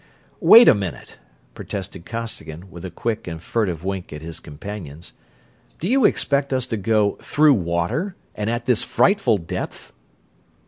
"Wait a minute!" protested Costigan, with a quick and furtive wink at his companions. "Do you expect us to go through water, and at this frightful depth?"